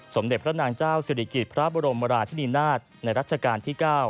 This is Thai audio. สมเด็จพระนางเจ้าศิริกิจพระบรมราชินีนาฏในรัชกาลที่๙